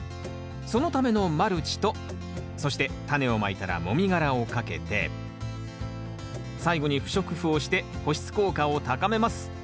そのためのマルチとそしてタネをまいたらもみ殻をかけて最後に不織布をして保湿効果を高めます。